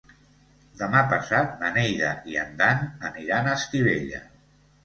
Demà passat na Neida i en Dan aniran a Estivella.